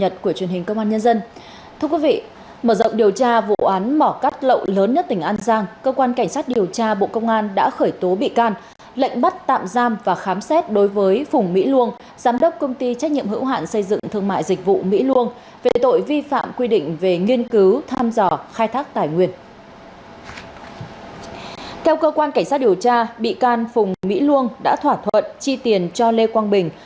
theo cơ quan cảnh sát điều tra bị can phùng mỹ luông đã thỏa thuận chi tiền cho lê quang bình